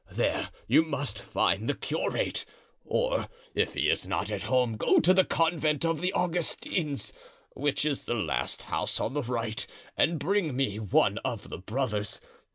There you must find the curate, or if he is not at home, go to the convent of the Augustines, which is the last house on the right, and bring me one of the brothers.